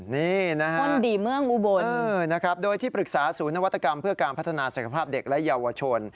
นี่นะครับโดยที่ปรึกษาศูนย์นวัตกรรมเพื่อการพัฒนาสักภาพเด็กและยาวชน